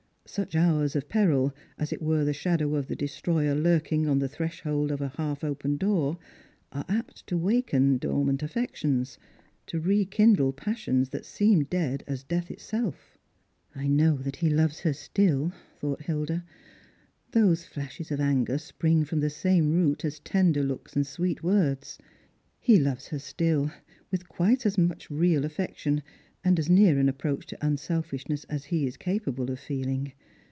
Such hours of peril, as it were the shadow of the destroyer lurking on the threshold of a half opened door, are apt to awaken dormant affections; to rekindle passions that seemed dead as death itself. " I know that he loves her still," thought Hilda. " Those flashes of anger spring from the same root as tender looks and Bweet words : he loves her still, with quite as much real affec tion, and as near an approach to unselfishness as he is capable of feeling.